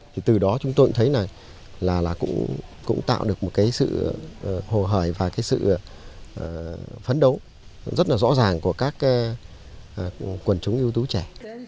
thì từ đó chúng tôi cũng thấy là cũng tạo được một cái sự hồ hời và cái sự phấn đấu rất là rõ ràng của các quần chúng yếu tố trẻ